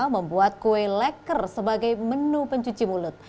membuat kue leker sebagai menu pencuci mulut